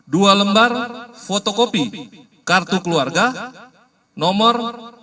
dua lembar fotokopi kartu keluarga nomor tiga dua sembilan satu empat empat lima sembilan enam dua